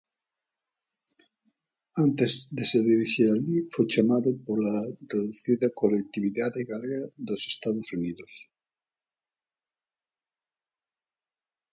Antes de se dirixir alí foi chamado pola reducida colectividade galega dos Estados Unidos.